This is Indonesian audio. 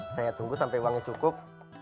saya tunggu sampai uangnya cukup